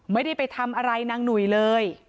ไม่ได้ไปทำอะไรนางหนุ่ยเลย